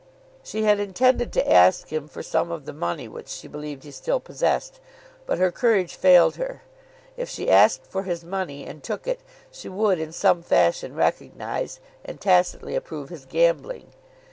She had intended to ask him for some of the money which she believed he still possessed, but her courage failed her. If she asked for his money, and took it, she would in some fashion recognise and tacitly approve his gambling.